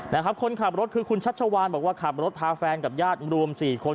นะครับคนขับรถคือคุณชัชวานบอกว่าขับรถพาแฟนกับญาติรวมสี่คน